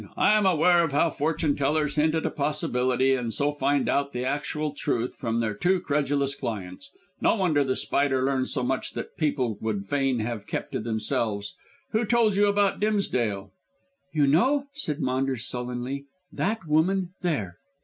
"I am aware of how fortune tellers hint at a possibility and so find out the actual truth from their too credulous clients. No wonder The Spider learned much that people would fain have kept to themselves. Who told you about Dimsdale?" "You know," said Maunders sullenly, "that woman there."